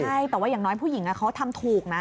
ใช่แต่ว่าอย่างน้อยผู้หญิงเขาทำถูกนะ